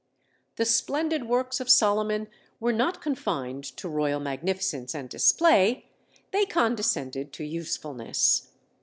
The splendid works of Solomon were not confined to royal magnificence and display; they condescended to usefulness.